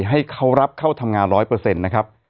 ให้เขารับเข้าทำงาน๑๐๐นะครับ